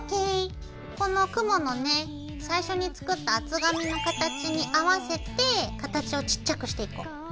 この雲のね最初に作った厚紙の形に合わせて形をちっちゃくしていこう。